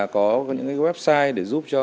có những website để giúp cho